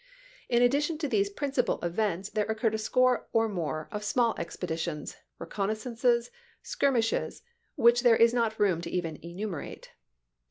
In addition to these principal events there occurred a score or more of small expeditions, reconnaissances, and skirmishes, which there is not room even to enumerate.